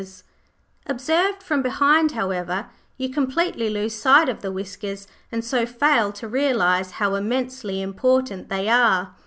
Observed from behind, however, you completely lose sight of the whiskers, and so fail to realize how immensely important they are.